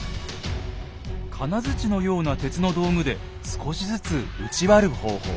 金づちのような鉄の道具で少しずつ打ち割る方法。